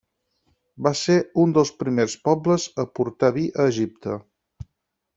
Van ser un dels primers pobles a portar vi a Egipte.